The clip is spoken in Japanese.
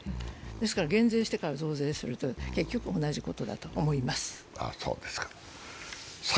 ですから減税してから増税しても結局同じことだと思います。